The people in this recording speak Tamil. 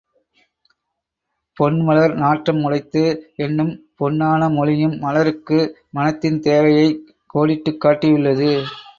பொன்மலர் நாற்றம் உடைத்து என்னும் பொன்னான மொழியும் மலருக்கு மணத்தின் தேவையைக் கோடிட்டுக் காட்டியுள்ளது.